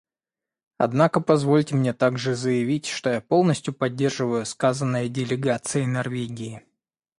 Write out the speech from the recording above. Однако позвольте мне также заявить, что я полностью поддерживаю сказанное делегацией Норвегии.